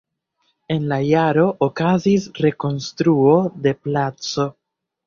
En la jaro okazis rekonstruo de placo.